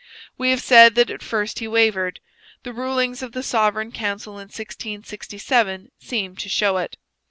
We have said that at first he wavered. The rulings of the Sovereign Council in 1667 seem to show it.